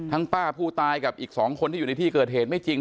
ป้าผู้ตายกับอีก๒คนที่อยู่ในที่เกิดเหตุไม่จริง